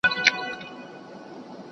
که درس له ژوند سره وتړل سي نو نه هیره کیږي.